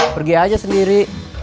pergi aja sendiri